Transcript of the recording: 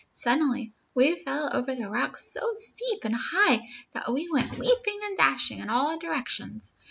Suddenly we fell over the rocks so steep and high that we went leaping and dashing in all directions.